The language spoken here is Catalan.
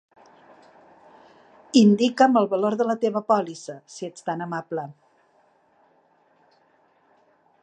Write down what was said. Indica'm el valor de la teva pòlissa, si ets tan amable.